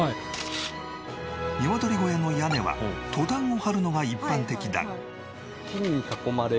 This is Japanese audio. ニワトリ小屋の屋根はトタンを張るのが一般的だが。